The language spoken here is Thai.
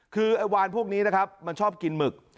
คือไอ้วานพวกนี้นะครับมันชอบกินหมึก